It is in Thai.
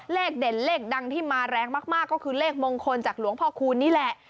เด่นเลขดังที่มาแรงมากก็คือเลขมงคลจากหลวงพ่อคูณนี่แหละ